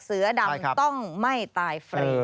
เสือดำต้องไม่ตายฟรี